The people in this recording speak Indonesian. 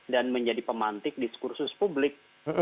dan menjadi pemantik diskursus publik